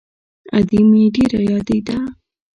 ادې مې ډېره يادېده.